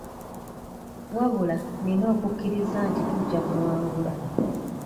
Wabula, nnina okukkiriza nti tujja kuwangula.